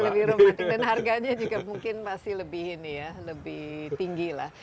lebih romantik dan harganya juga mungkin masih lebih ini ya lebih tinggi lah